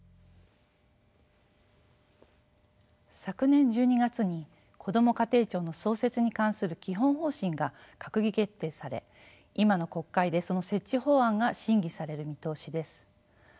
昨年１２月にこども家庭庁の創設に関する基本方針が閣議決定され今の国会でその設置法案が審議される見通しです。